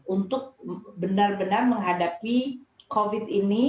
untuk benar benar menghadapi covid ini